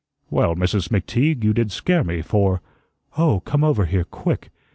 "Well, Mrs. McTeague, you did scare me, for " "Oh, come over here quick."